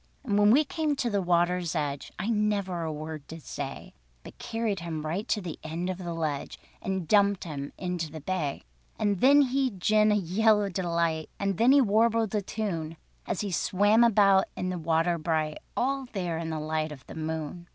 And when we came to the water's edge, I never a word did say, But carried him right to the end of the Ledge, And dumped him into the Bay. And then he gin a yell of delight, And then he warbled a tune, As he swam about in the water bright, All there in the light of the moon.